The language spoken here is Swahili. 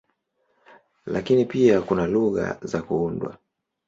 Lakini pia kuna lugha za kuundwa.